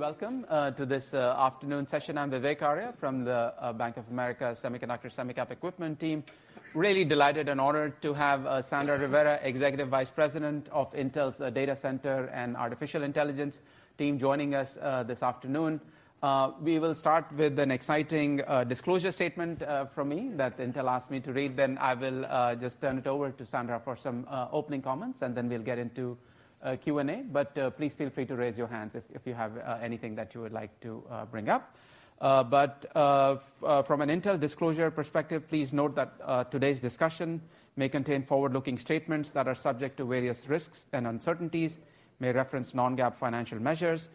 Good afternoon. Welcome to this afternoon session. I'm Vivek Arya from the Bank of America Semiconductor Equipment team. Really delighted and honored to have Sandra Rivera, Executive Vice President of Intel's Data Center and Artificial Intelligence team, joining us this afternoon. We will start with an exciting disclosure statement from me that Intel asked me to read. Then I will just turn it over to Sandra for some opening comments, and then we'll get into a Q&A. Please feel free to raise your hands if you have anything that you would like to bring up. From an Intel disclosure perspective, please note that today's discussion may contain forward-looking statements that are subject to various risks and uncertainties, may reference non-GAAP financial measures.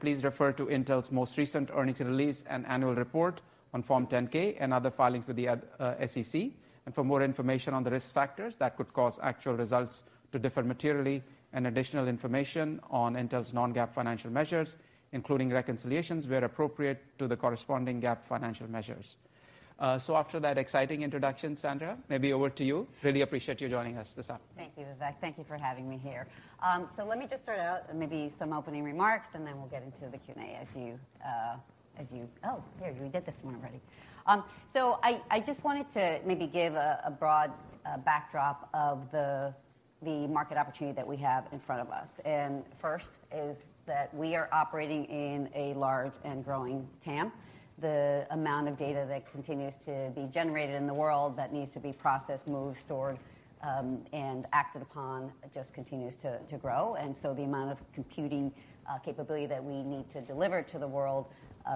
Please refer to Intel's most recent earnings release and annual report on Form 10-K and other filings with the SEC. For more information on the risk factors that could cause actual results to differ materially and additional information on Intel's non-GAAP financial measures, including reconciliations where appropriate, to the corresponding GAAP financial measures. After that exciting introduction, Sandra, maybe over to you. Really appreciate you joining us this afternoon. Thank you, Vivek. Thank you for having me here. Let me just start out, maybe some opening remarks, and then we'll get into the Q&A as you. Oh, there, we did this one already. I just wanted to maybe give a broad backdrop of the market opportunity that we have in front of us. First is that we are operating in a large and growing TAM. The amount of data that continues to be generated in the world that needs to be processed, moved, stored, and acted upon, just continues to grow. The amount of computing capability that we need to deliver to the world,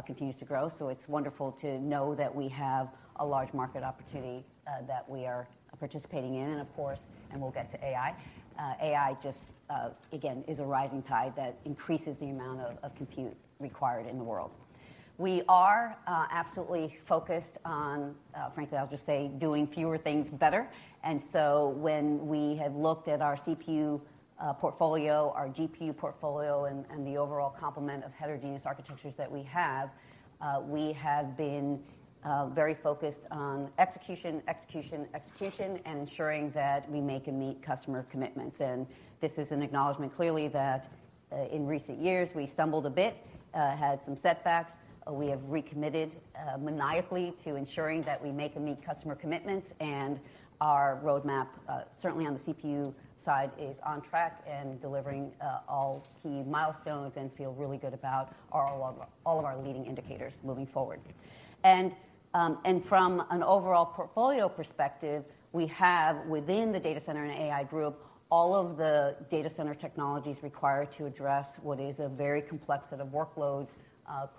continues to grow. It's wonderful to know that we have a large market opportunity, that we are participating in. Of course, and we'll get to AI. AI just, again, is a rising tide that increases the amount of compute required in the world. We are absolutely focused on, frankly, I'll just say, doing fewer things better. When we have looked at our CPU, portfolio, our GPU portfolio, and the overall complement of heterogeneous architectures that we have, we have been very focused on execution, execution, and ensuring that we make and meet customer commitments. This is an acknowledgment, clearly, that in recent years, we stumbled a bit, had some setbacks. We have recommitted, maniacally to ensuring that we make and meet customer commitments. Our roadmap, certainly on the CPU side, is on track and delivering all key milestones and feel really good about all of our leading indicators moving forward. From an overall portfolio perspective, we have within the Datacenter and AI Group, all of the data center technologies required to address what is a very complex set of workloads.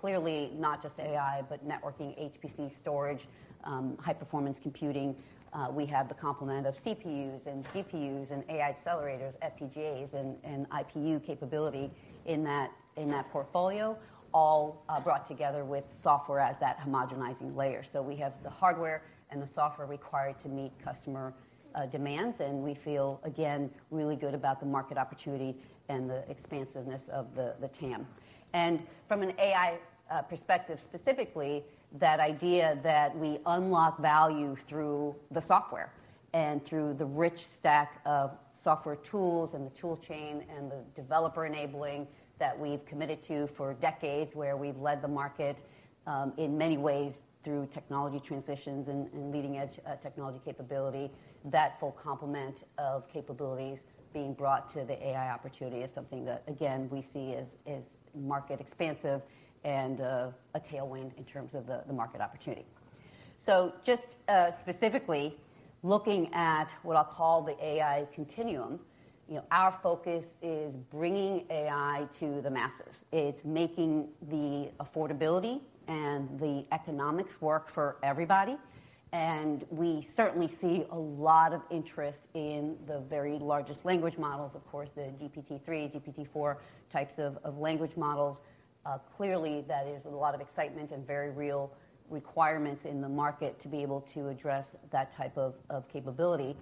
Clearly, not just AI, but networking, HPC, storage, high-performance computing. We have the complement of CPUs and GPUs and AI accelerators, FPGAs and IPU capability in that portfolio, all brought together with software as that homogenizing layer. We have the hardware and the software required to meet customer demands, and we feel, again, really good about the market opportunity and the expansiveness of the TAM. From an AI perspective, specifically, that idea that we unlock value through the software and through the rich stack of software tools and the tool chain and the developer enabling that we've committed to for decades, where we've led the market in many ways through technology transitions and leading-edge technology capability. That full complement of capabilities being brought to the AI opportunity is something that, again, we see as market expansive and a tailwind in terms of the market opportunity. Just specifically looking at what I'll call the AI continuum, you know, our focus is bringing AI to the masses. It's making the affordability and the economics work for everybody, and we certainly see a lot of interest in the very largest language models, of course, the GPT-3, GPT-4 types of language models. Clearly, that is a lot of excitement and very real requirements in the market to be able to address that type of capability.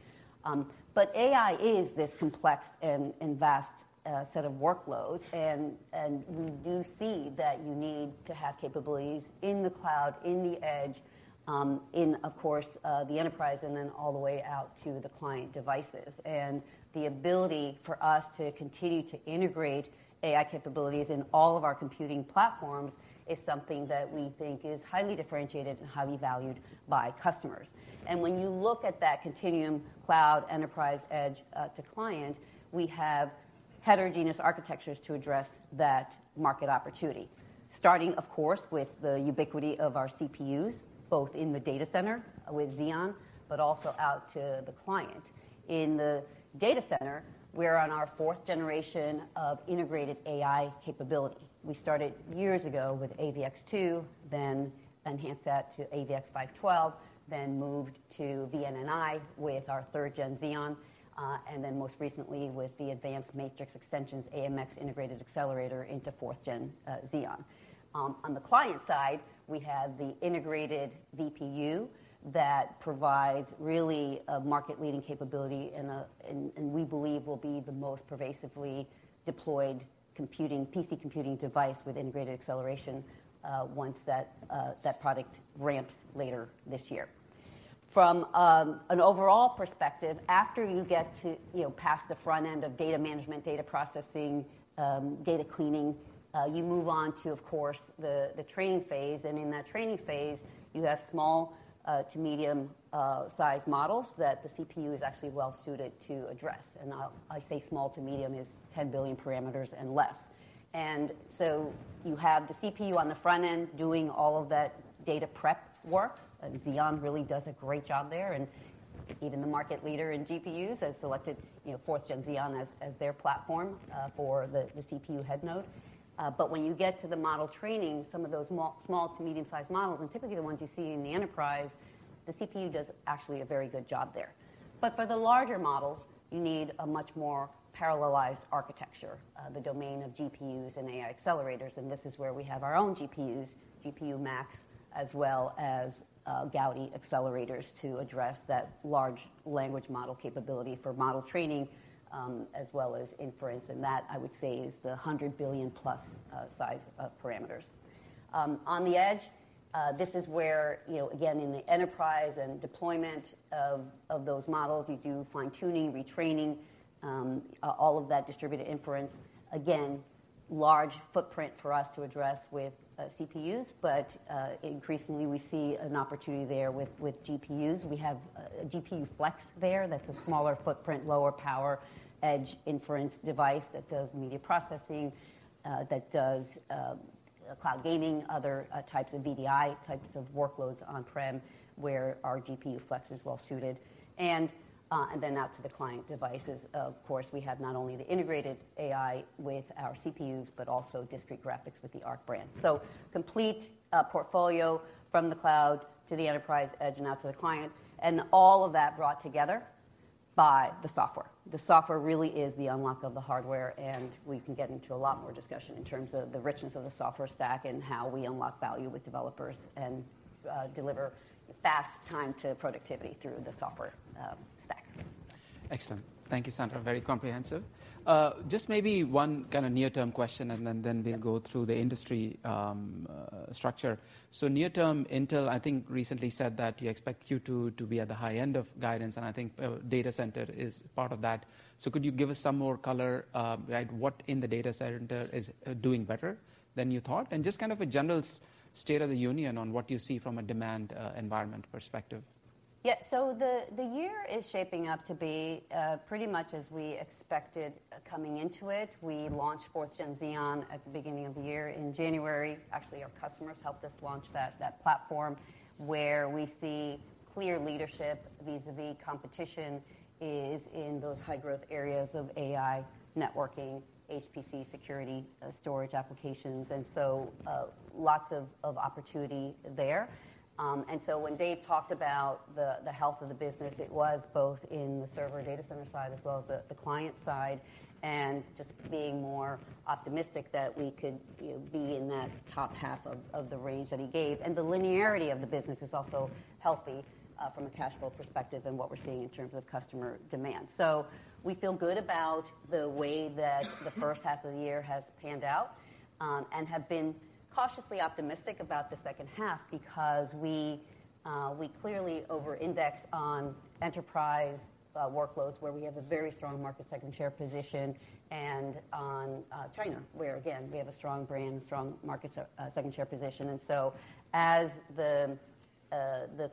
AI is this complex and vast, set of workloads, and we do see that you need to have capabilities in the cloud, in the edge, in, of course, the enterprise, and then all the way out to the client devices. The ability for us to continue to integrate AI capabilities in all of our computing platforms is something that we think is highly differentiated and highly valued by customers. When you look at that continuum, cloud, enterprise, edge, to client, we have heterogeneous architectures to address that market opportunity. Starting, of course, with the ubiquity of our CPUs, both in the data center with Xeon, but also out to the client. In the data center, we're on our fourth generation of integrated AI capability. We started years ago with AVX2, then enhanced that to AVX-512, then moved to VNNI with our third-gen Xeon, and then most recently with the advanced matrix extensions, AMX integrated accelerator into fourth-gen Xeon. On the client side, we have the integrated VPU that provides really a market-leading capability and we believe will be the most pervasively deployed computing, PC computing device with integrated acceleration, once that product ramps later this year. From an overall perspective, after you get to, you know, past the front end of data management, data processing, data cleaning, you move on to, of course, the training phase. In that training phase, you have small to medium size models that the CPU is actually well-suited to address. I say small to medium is 10 billion parameters and less. You have the CPU on the front end doing all of that data prep work, and Xeon really does a great job there. Even the market leader in GPUs has selected, you know, 4th Gen Xeon as their platform for the CPU head node. When you get to the model training, some of those small to medium-sized models, and typically the ones you see in the enterprise, the CPU does actually a very good job there. For the larger models, you need a much more parallelized architecture, the domain of GPUs and AI accelerators, and this is where we have our own GPUs, GPU Max, as well as Gaudi accelerators, to address that large language model capability for model training, as well as inference. That, I would say, is the 100 billion-plus size of parameters. On the edge, this is where, you know, again, in the enterprise and deployment of those models, you do fine-tuning, retraining, all of that distributed inference. Large footprint for us to address with CPUs, but increasingly we see an opportunity there with GPUs. We have GPU Flex there. That's a smaller footprint, lower power, edge inference device that does media processing, that does cloud gaming, other types of VDI, types of workloads on-prem, where our GPU Flex is well suited. Then out to the client devices, of course, we have not only the integrated AI with our CPUs, but also discrete graphics with the Arc brand. Complete portfolio from the cloud to the enterprise edge and out to the client, and all of that brought together by the software. The software really is the unlock of the hardware, and we can get into a lot more discussion in terms of the richness of the software stack and how we unlock value with developers and deliver fast time to productivity through the software stack. Excellent. Thank you, Sandra. Very comprehensive. Just maybe one kind of near-term question, and then we'll go through the industry structure. Near term, Intel, I think recently said that you expect Q2 to be at the high end of guidance, and I think data center is part of that. Could you give us some more color, like what in the data center is doing better than you thought? And just kind of a general state of the union on what you see from a demand environment perspective. The year is shaping up to be pretty much as we expected coming into it. We launched 4th Gen Xeon at the beginning of the year in January. Actually, our customers helped us launch that platform, where we see clear leadership vis-a-vis competition is in those high-growth areas of AI, networking, HPC, security, storage applications, lots of opportunity there. When Dave talked about the health of the business, it was both in the server data center side, as well as the client side, and just being more optimistic that we could, you know, be in that top half of the range that he gave. The linearity of the business is also healthy from a cash flow perspective and what we're seeing in terms of customer demand. We feel good about the way that the first half of the year has panned out, and have been cautiously optimistic about the second half because we clearly over-index on enterprise workloads, where we have a very strong market second share position, and on China, where again, we have a strong brand, strong market second share position. As the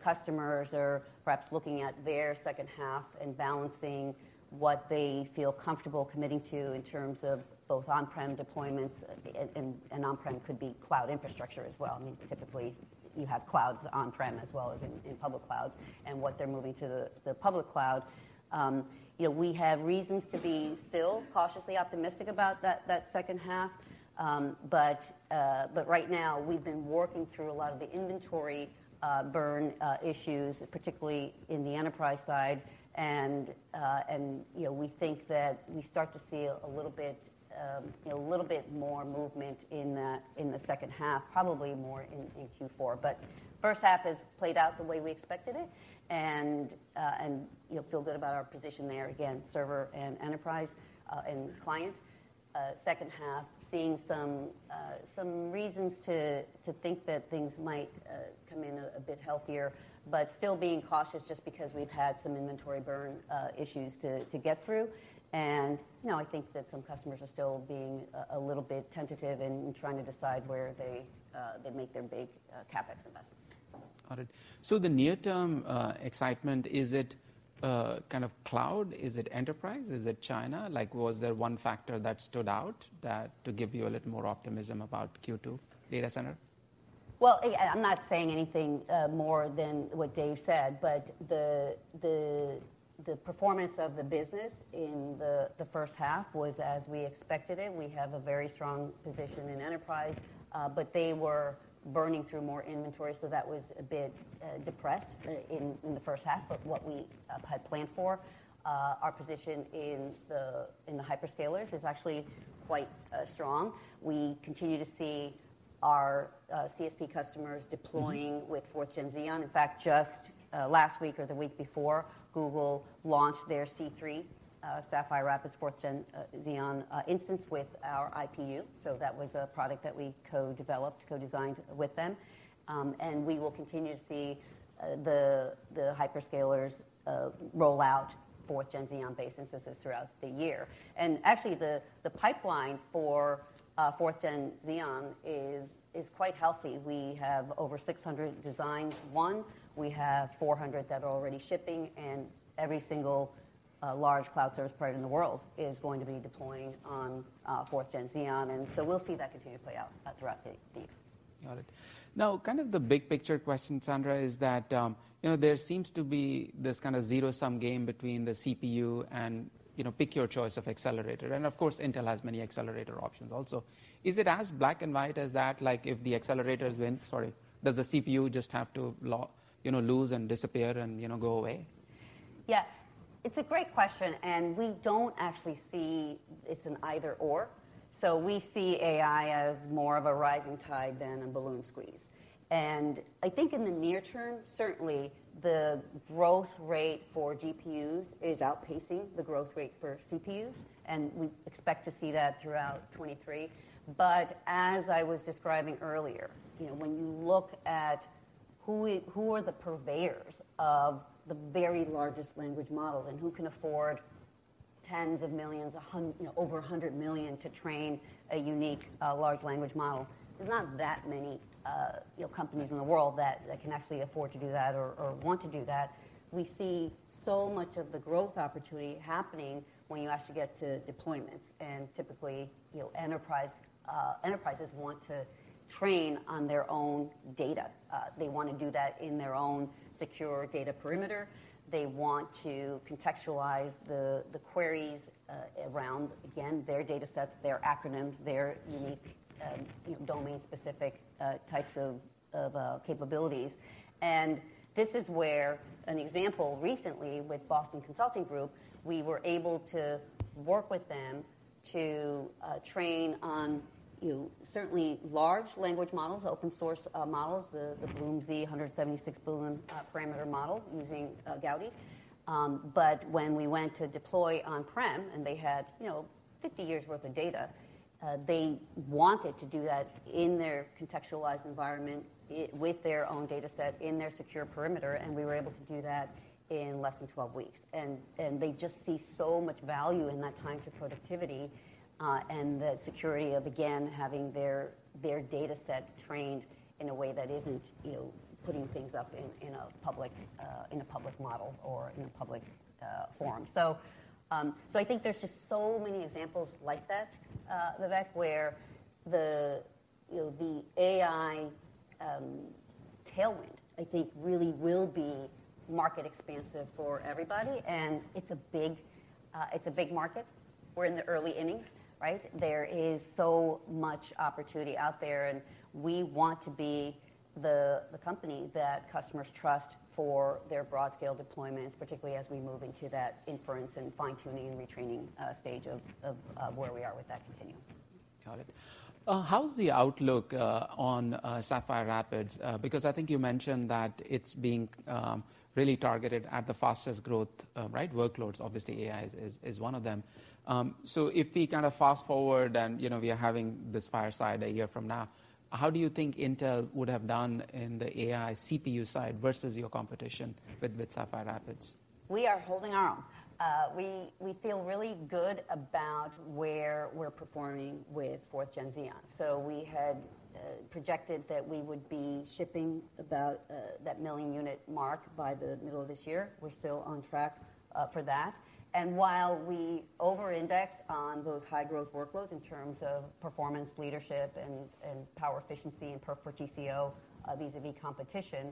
customers are perhaps looking at their second half and balancing what they feel comfortable committing to in terms of both on-prem deployments and on-prem could be cloud infrastructure as well. I mean, typically, you have clouds on-prem as well as in public clouds and what they're moving to the public cloud. You know, we have reasons to be still cautiously optimistic about that second half. Right now, we've been working through a lot of the inventory burn issues, particularly in the enterprise side. You know, we think that we start to see a little bit more movement in the second half, probably more in Q4. First half has played out the way we expected it and you know, feel good about our position there. Again, server and enterprise and client. Second half, seeing some reasons to think that things might come in a bit healthier, but still being cautious just because we've had some inventory burn issues to get through. You know, I think that some customers are still being a little bit tentative in trying to decide where they they make their big CapEx investments. Got it. The near-term excitement, is it kind of cloud? Is it enterprise? Is it China? Like, was there one factor that stood out to give you a little more optimism about Q2 data center? Well, I'm not saying anything more than what Dave said. The performance of the business in the first half was as we expected it. We have a very strong position in enterprise, but they were burning through more inventory, so that was a bit depressed in the first half. What we had planned for our position in the hyperscalers is actually quite strong. We continue to see our CSP customers deploying with 4th Gen Xeon. In fact, just last week or the week before, Google launched their C3 Sapphire Rapids 4th Gen Xeon instance with our IPU. That was a product that we co-developed, co-designed with them. We will continue to see the hyperscalers roll out 4th Gen Xeon-based instances throughout the year. Actually, the pipeline for 4th Gen Xeon is quite healthy. We have over 600 designs. We have 400 that are already shipping. Every single, large cloud service provider in the world is going to be deploying on 4th Gen Xeon. We'll see that continue to play out throughout the year. Got it. Now, kind of the big picture question, Sandra, is that, you know, there seems to be this kind of zero-sum game between the CPU and, you know, pick your choice of accelerator. Of course, Intel has many accelerator options also. Is it as black and white as that? Like, Sorry, does the CPU just have to you know, lose and disappear and, you know, go away? Yeah, it's a great question. We don't actually see it's an either/or. We see AI as more of a rising tide than a balloon squeeze. I think in the near term, certainly the growth rate for GPUs is outpacing the growth rate for CPUs, and we expect to see that throughout 2023. As I was describing earlier, you know, when you look at who are the purveyors of the very largest language models, and who can afford $10 million, you know, over $100 million to train a unique large language model, there's not that many, you know, companies in the world that can actually afford to do that or want to do that. We see so much of the growth opportunity happening when you actually get to deployments. Typically, you know, enterprises want to train on their own data. They want to do that in their own secure data perimeter. They want to contextualize the queries around, again, their datasets, their acronyms, their unique, you know, domain-specific types of capabilities. This is where an example recently with Boston Consulting Group, we were able to work with them to train on, you know, certainly large language models, open source models, the BLOOMZ 176 billion parameter model using Gaudi. When we went to deploy on-prem, they had, you know, 50 years' worth of data, they wanted to do that in their contextualized environment, with their own dataset in their secure perimeter, we were able to do that in less than 12 weeks. They just see so much value in that time to productivity, and the security of, again, having their dataset trained in a way that isn't, you know, putting things up in a public, in a public model or in a public forum. I think there's just so many examples like that, Vivek, where the, you know, the AI tailwind, I think, really will be market expansive for everybody, and it's a big, it's a big market. We're in the early innings, right? There is so much opportunity out there, and we want to be the company that customers trust for their broad-scale deployments, particularly as we move into that inference and fine-tuning and retraining stage of where we are with that continuum. Got it. How's the outlook on Sapphire Rapids? I think you mentioned that it's being really targeted at the fastest growth, right, workloads. Obviously, AI is one of them. If we kind of fast-forward and, you know, we are having this fireside a year from now, how do you think Intel would have done in the AI CPU side versus your competition with Sapphire Rapids? We are holding our own. We feel really good about where we're performing with 4th Gen Xeon. We had projected that we would be shipping about that million-unit mark by the middle of this year. We're still on track for that. While we over-index on those high-growth workloads in terms of performance, leadership and power efficiency and per TCO vis-a-vis competition,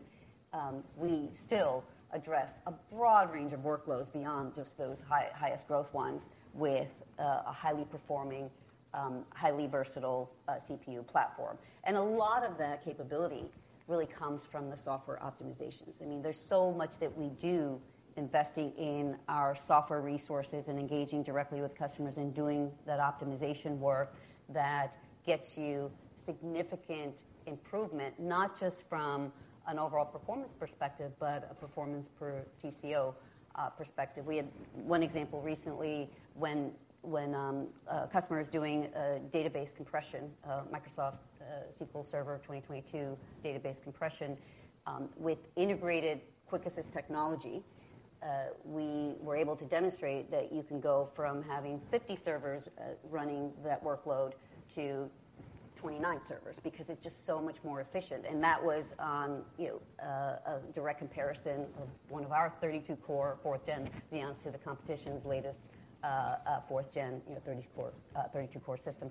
we still address a broad range of workloads beyond just those highest growth ones with a highly performing, highly versatile CPU platform. A lot of that capability really comes from the software optimizations. There's so much that we do investing in our software resources and engaging directly with customers and doing that optimization work that gets you significant improvement, not just from an overall performance perspective, but a performance per TCO perspective. We had one example recently when a customer is doing a database compression, Microsoft SQL Server 2022 database compression, with integrated QuickAssist Technology, we were able to demonstrate that you can go from having 50 servers running that workload to 29 servers because it's just so much more efficient. That was on a direct comparison of one of our 32-core 4th Gen Xeons to the competition's latest 4th Gen, you know, 30-core, 32-core system.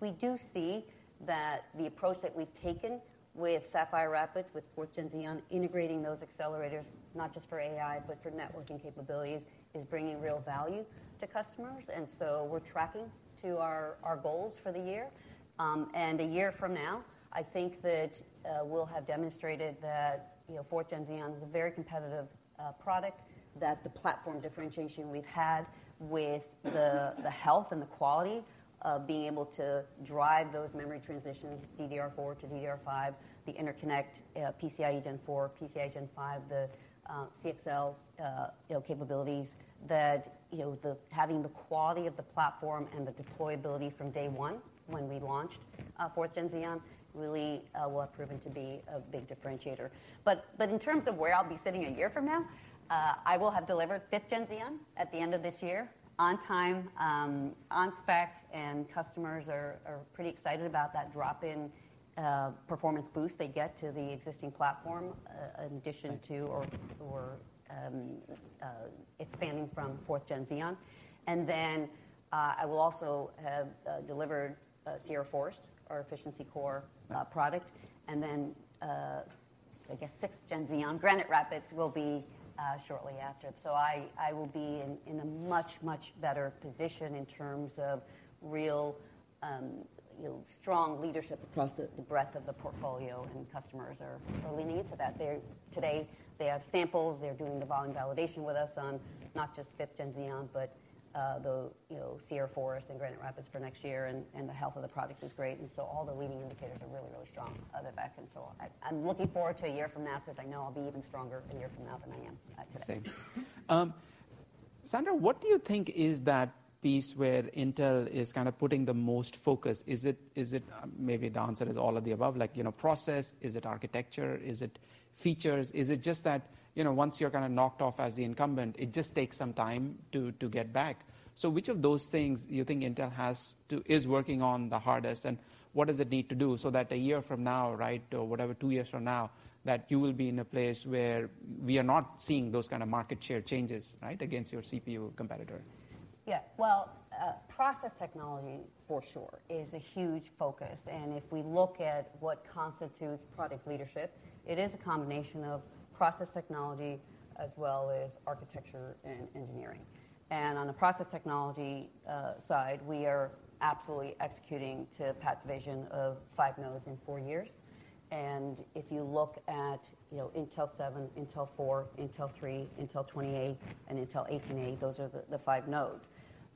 We do see that the approach that we've taken with Sapphire Rapids, with 4th Gen Xeon, integrating those accelerators, not just for AI, but for networking capabilities, is bringing real value to customers. And a year from now, I think that we'll have demonstrated that, you know, 4th Gen Xeon is a very competitive product, that the platform differentiation we've had with the health and the quality of being able to drive those memory transitions, DDR4 to DDR5, the interconnect, PCIe Gen 4, PCIe Gen 5, the CXL, you know, capabilities that, you know, having the quality of the platform and the deployability from day one when we launched 4th Gen Xeon really will have proven to be a big differentiator. In terms of where I'll be sitting a year from now, I will have delivered 5th Gen Xeon at the end of this year on time, on spec, and customers are pretty excited about that drop in performance boost they get to the existing platform, in addition to or expanding from 4th Gen Xeon. I will also have delivered Sierra Forest, our efficiency core product, and I guess 6th Gen Xeon, Granite Rapids, will be shortly after. I will be in a much, much better position in terms of real, you know, strong leadership across the breadth of the portfolio, and customers are leaning into that. Today, they have samples. They're doing the volume validation with us on not just 5th Gen Xeon, but, the, you know, Sierra Forest and Granite Rapids for next year. The health of the product is great, and so all the leading indicators are really, really strong at the back end. I'm looking forward to a year from now because I know I'll be even stronger a year from now than I am today. Same. Sandra, what do you think is that piece where Intel is kind of putting the most focus? Is it, maybe the answer is all of the above. Like, you know, process? Is it architecture? Is it features? Is it just that, you know, once you're kind of knocked off as the incumbent, it just takes some time to get back? Which of those things do you think Intel is working on the hardest, and what does it need to do so that a year from now, right, or whatever, two years from now, that you will be in a place where we are not seeing those kind of market share changes, right, against your CPU competitor? Well, process technology, for sure, is a huge focus, and if we look at what constitutes product leadership, it is a combination of process technology as well as architecture and engineering. On the process technology side, we are absolutely executing to Pat's vision of 5 nodes in 4 years. If you look at, you know, Intel 7, Intel 4, Intel 3, Intel 20A, and Intel 18A, those are the 5 nodes.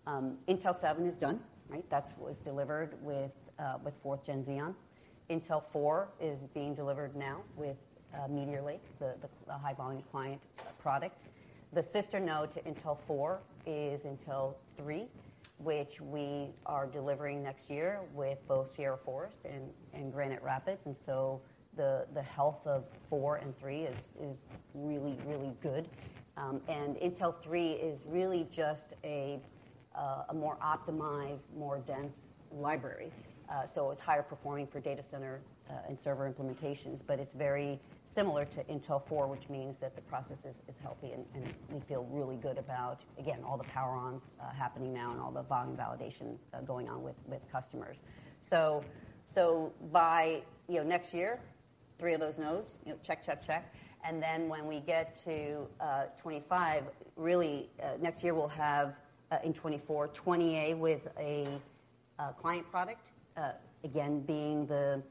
Intel 7 is done, right? That's what was delivered with 4th Gen Xeon. Intel 4 is being delivered now with Meteor Lake, the a high-volume client product. The sister node to Intel 4 is Intel 3, which we are delivering next year with both Sierra Forest and Granite Rapids, and so the health of 4 and 3 is really, really good. Intel 3 is really just a more optimized, more dense library. It's higher performing for data center and server implementations, but it's very similar to Intel 4, which means that the process is healthy and we feel really good about, again, all the power-ons happening now and all the volume validation going on with customers. By, you know, next year, three of those nodes, you know, check, check. Then when we get to 2025, really, next year, we'll have in 2024, Intel 20A with a client product, again, being the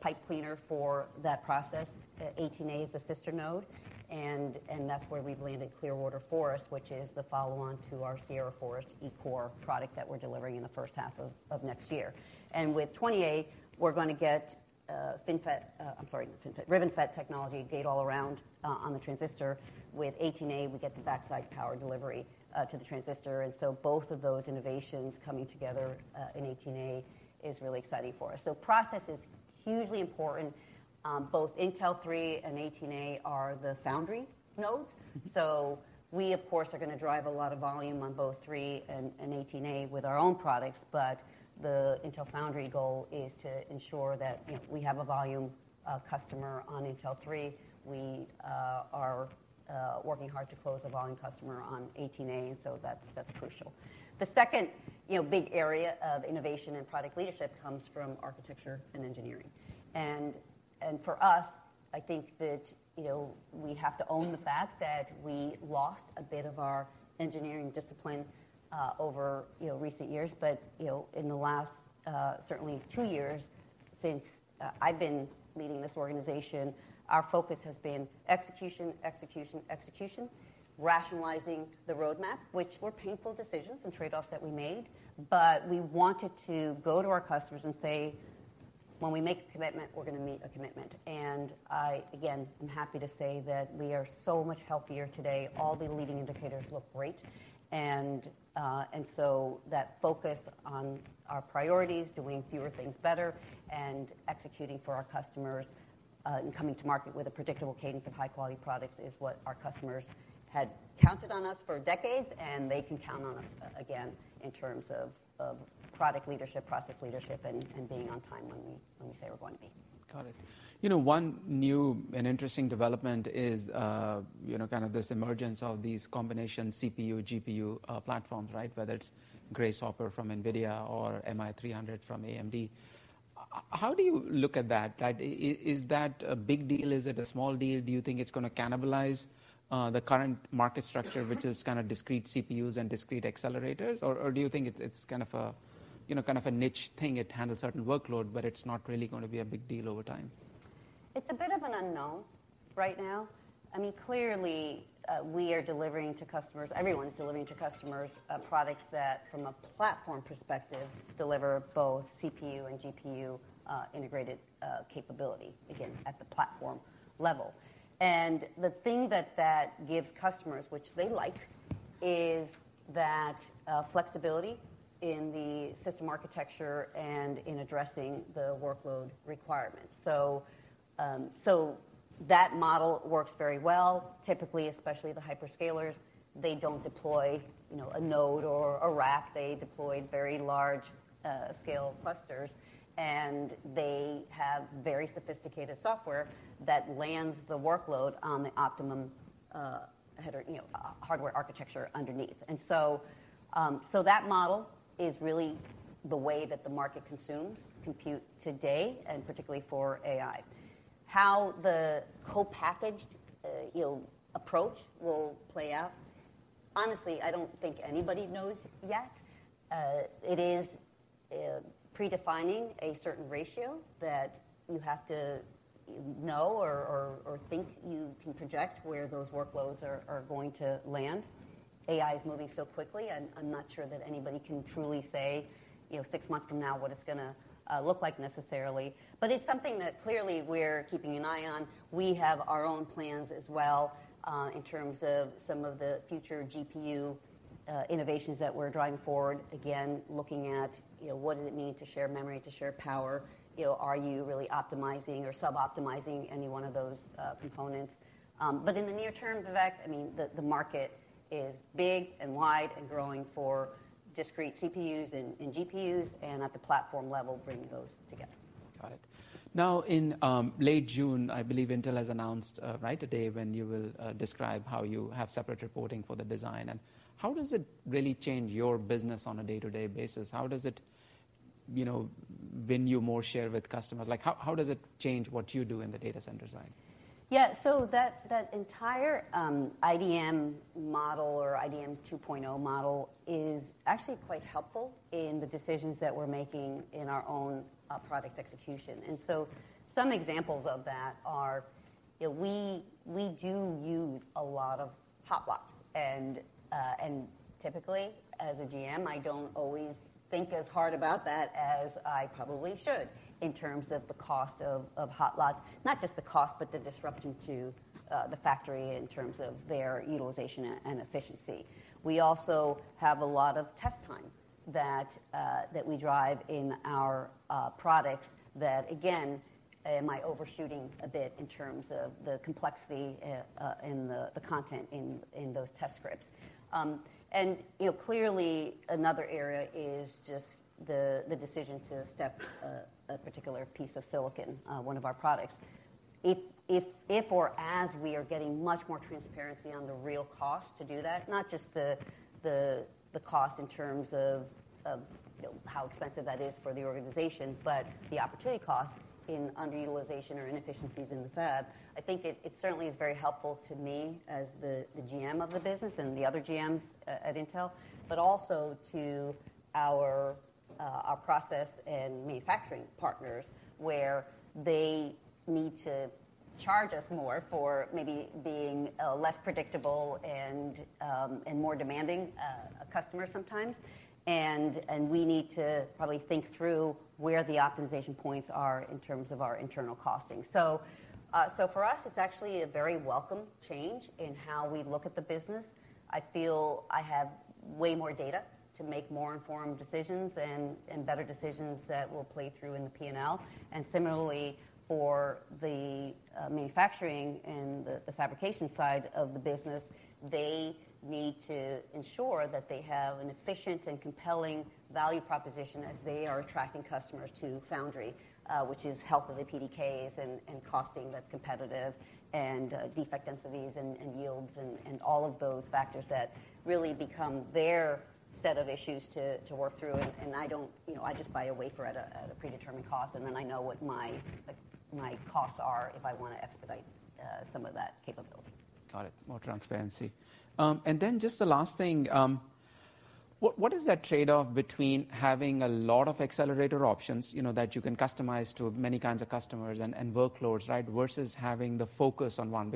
pipe cleaner for that process. Intel 18A is the sister node, and that's where we've landed Clearwater Forest, which is the follow-on to our Sierra Forest E-core product that we're delivering in the first half of next year. With Intel 20A, we're gonna get RibbonFET technology gate-all-around on the transistor. With Intel 18A, we get the backside power delivery to the transistor, both of those innovations coming together in Intel 18A is really exciting for us. Process is hugely important. Both Intel 3 and Intel 18A are the foundry nodes. Mm-hmm. We, of course, are gonna drive a lot of volume on both Intel 3 and Intel 18A with our own products, but the Intel foundry goal is to ensure that, you know, we have a volume customer on Intel 3. We are working hard to close a volume customer on Intel 18A, and so that's crucial. The second, you know, big area of innovation and product leadership comes from architecture and engineering. For us, I think that, you know, we have to own the fact that we lost a bit of our engineering discipline, over, you know, recent years. You know, in the last certainly two years since I've been leading this organization, our focus has been execution, execution, rationalizing the roadmap, which were painful decisions and trade-offs that we made, but we wanted to go to our customers and say, "When we make a commitment, we're gonna meet a commitment." I, again, I'm happy to say that we are so much healthier today. All the leading indicators look great, so that focus on our priorities, doing fewer things better, and executing for our customers and coming to market with a predictable cadence of high-quality products is what our customers had counted on us for decades, and they can count on us again in terms of product leadership, process leadership, and being on time when we, when we say we're going to be. Got it. You know, one new and interesting development is, you know, kind of this emergence of these combination CPU, GPU platforms, right? Whether it's Grace Hopper from NVIDIA or MI300 from AMD. How do you look at that? Like, is that a big deal? Is it a small deal? Do you think it's gonna cannibalize the current market structure, which is kind of discrete CPUs and discrete accelerators? Or do you think it's kind of a, you know, kind of a niche thing? It handles certain workload, but it's not really going to be a big deal over time. It's a bit of an unknown right now. I mean, clearly, everyone's delivering to customers, products that, from a platform perspective, deliver both CPU and GPU, integrated capability, again, at the platform level. The thing that that gives customers, which they like, is that flexibility in the system architecture and in addressing the workload requirements. That model works very well. Typically, especially the hyperscalers, they don't deploy, you know, a node or a rack. They deploy very large, scale clusters, and they have very sophisticated software that lands the workload on the optimum, header, you know, hardware architecture underneath. That model is really the way that the market consumes compute today, and particularly for AI. How the co-packaged, you know, approach will play out, honestly, I don't think anybody knows yet. It is predefining a certain ratio that you have to know or think you can project where those workloads are going to land. AI is moving so quickly, and I'm not sure that anybody can truly say, you know, six months from now what it's gonna look like necessarily. But it's something that clearly we're keeping an eye on. We have our own plans as well, in terms of some of the future GPU innovations that we're driving forward. Again, looking at, you know, what does it mean to share memory, to share power? You know, are you really optimizing or sub-optimizing any one of those components? In the near term, Vivek, I mean, the market is big and wide and growing for discrete CPUs and GPUs, and at the platform level, bringing those together. Got it. Now, in late June, I believe Intel has announced, right today, when you will describe how you have separate reporting for the design, and how does it really change your business on a day-to-day basis? How does it, you know, when you more share with customers? Like, how does it change what you do in the data center side? That, that entire IDM model or IDM 2.0 model is actually quite helpful in the decisions that we're making in our own product execution. Some examples of that are, you know, we do use a lot of hot lots. Typically, as a GM, I don't always think as hard about that as I probably should in terms of the cost of hot lots. Not just the cost, but the disruption to the factory in terms of their utilization and efficiency. We also have a lot of test time that we drive in our products that, again, am I overshooting a bit in terms of the complexity and the content in those test scripts? You know, clearly another area is just the decision to step a particular piece of silicon, one of our products. If or as we are getting much more transparency on the real cost to do that, not just the cost in terms of, you know, how expensive that is for the organization, but the opportunity cost in underutilization or inefficiencies in the fab. I think it certainly is very helpful to me as the GM of the business and the other GMs at Intel, but also to our process and manufacturing partners, where they need to charge us more for maybe being less predictable and more demanding customers sometimes. We need to probably think through where the optimization points are in terms of our internal costing. For us, it's actually a very welcome change in how we look at the business. I feel I have way more data to make more informed decisions and better decisions that will play through in the P&L. Similarly, for the manufacturing and the fabrication side of the business, they need to ensure that they have an efficient and compelling value proposition as they are attracting customers to Foundry, which is health of the PDKs and costing that's competitive and defect densities and yields, and all of those factors that really become their set of issues to work through. I don't... You know, I just buy a wafer at a predetermined cost, and then I know what my, like, my costs are if I want to expedite some of that capability. Got it. More transparency. Just the last thing, what is that trade-off between having a lot of accelerator options, you know, that you can customize to many kinds of customers and workloads, right? Versus having the focus on one.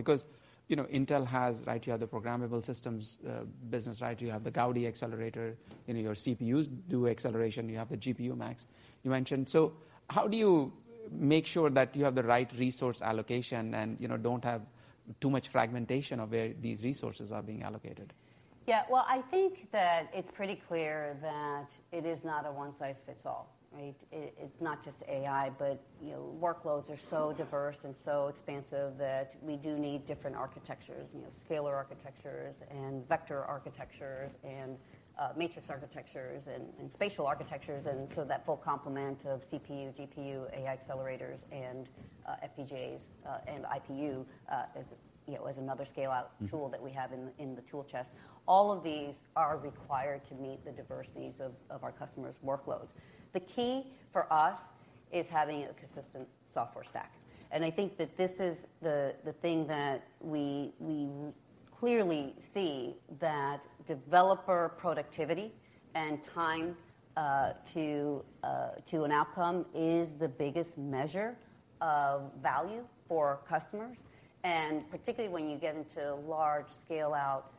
You know, Intel has, right, you have the programmable systems business, right? You have the Gaudi accelerator, you know, your CPUs do acceleration, you have the GPU Max, you mentioned. How do you make sure that you have the right resource allocation and, you know, don't have too much fragmentation of where these resources are being allocated? ... Yeah, well, I think that it's pretty clear that it is not a one-size-fits-all, right? It's not just AI, but, you know, workloads are so diverse and so expansive that we do need different architectures. You know, scalar architectures and vector architectures and matrix architectures and spatial architectures, and so that full complement of CPU, GPU, AI accelerators, and FPGAs and IPU is, you know, is another scale-out tool that we have in the tool chest. All of these are required to meet the diversities of our customers' workloads. The key for us is having a consistent software stack, and I think that this is the thing that we clearly see, that developer productivity and time to an outcome is the biggest measure of value for customers. Particularly when you get into large scale-out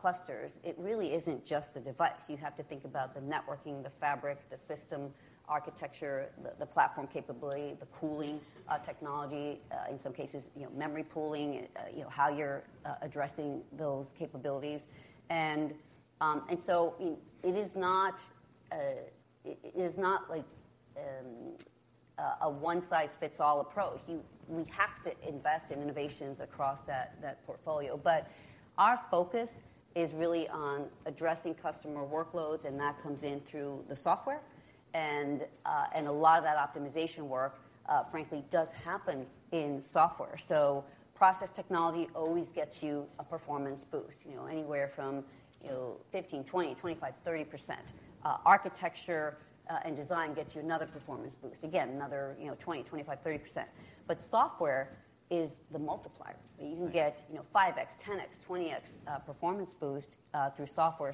clusters, it really isn't just the device. You have to think about the networking, the fabric, the system architecture, the platform capability, the cooling technology, in some cases, you know, memory pooling, you know, how you're addressing those capabilities. It is not it is not like a one-size-fits-all approach. We have to invest in innovations across that portfolio. Our focus is really on addressing customer workloads, and that comes in through the software and a lot of that optimization work, frankly, does happen in software. Process technology always gets you a performance boost, you know, anywhere from, you know, 15%, 20%, 25%, 30%. Architecture and design gets you another performance boost. Another, you know, 20%, 25%, 30%. Software is the multiplier. Right. You can get, you know, 5x, 10x, 20x performance boost through software.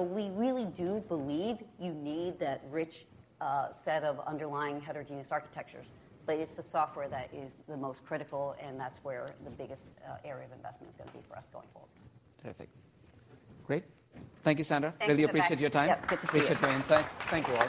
We really do believe you need that rich set of underlying heterogeneous architectures, it's the software that is the most critical, and that's where the biggest area of investment is gonna be for us going forward. Terrific. Great. Thank you, Sandra. Thank you, Vivek. Really appreciate your time. Yep, good to see you. Appreciate you. Thanks. Thank you, all.